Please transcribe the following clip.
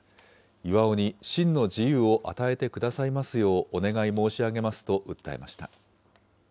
巌に真の自由を与えてくださいますようお願い申し上げますと訴えました。